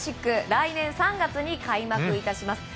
来年３月に開幕いたします。